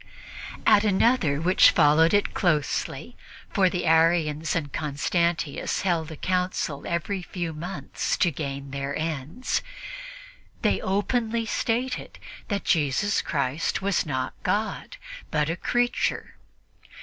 At another which followed it closely for the Arians and Constantius held a council every few months to gain their ends they openly stated that Jesus Christ was not God, but a creature.